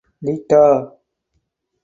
Ltda.